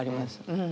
うん。